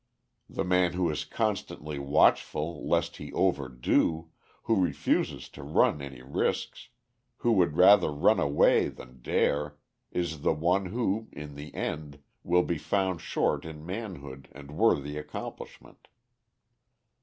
The man who is constantly watchful lest he overdo, who refuses to run any risks, who would rather run away than dare, is the one who, in the end, will be found short in manhood and worthy accomplishment.